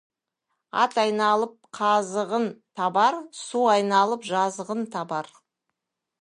Ат айналып қазығын табар, су айналып жазығын табар.